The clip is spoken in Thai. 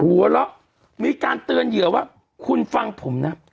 หัวเราะมีการเตือนเหยื่อว่าคุณฟังผมนะ